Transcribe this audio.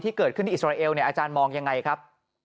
ที่เกิดขึ้นที่อิสราเอลเนี่ยอาจารย์มองยังไงครับ